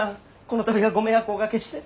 この度はご迷惑をおかけして。